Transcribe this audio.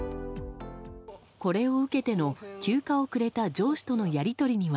これを受けての休暇をくれた上司とのやり取りには。